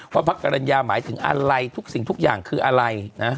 พระกรรณญาหมายถึงอะไรทุกสิ่งทุกอย่างคืออะไรนะ